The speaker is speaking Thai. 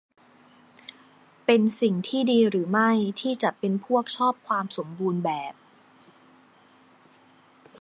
เป็นสิ่งที่ดีหรือไม่ที่จะเป็นพวกชอบความสมบูรณ์แบบ ?